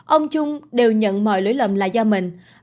ông trung đều nhận mọi lưỡi lầm là do mình